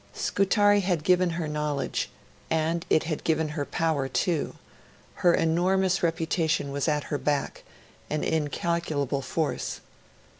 Scutari had given her knowledge; and it had given her power too: her enormous reputation was at her back an incalculable force.